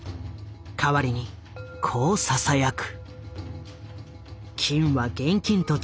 代わりにこうささやく。